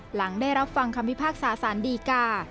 หลังได้รับฟังคำพิพากษาสารดีกา